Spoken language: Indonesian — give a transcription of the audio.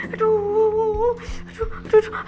aduh aduh aduh